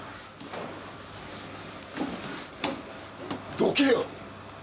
どけよ！